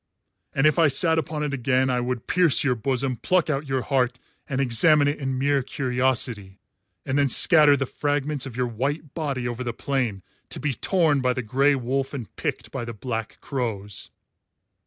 And if I sat upon it again I would pierce your bosom, pluck out your heart and examine it in mere curiosity, and then scatter the fragments of your white body over the plain, to be torn by the grey wolf and picked by the black crows."